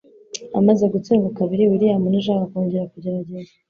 Amaze gutsindwa kabiri, William ntiyashakaga kongera kugerageza.